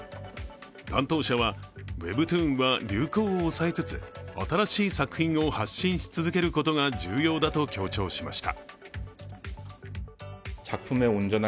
担当者は、ウェブトゥーンは流行を押さえつつ、新しい作品を発信し続けることが重要だと強調しました。